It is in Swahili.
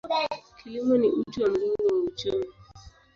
Kilimo ni uti wa mgongo wa uchumi.